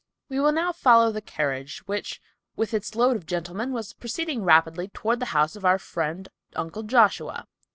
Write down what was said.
We will now follow the carriage, which, with its load of gentlemen, was proceeding rapidly toward the house of our friend Uncle Joshua.